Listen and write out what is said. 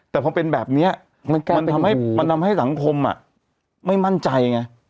แต่พอเป็นแบบนี้มันทำให้สังคมไม่มั่นใจ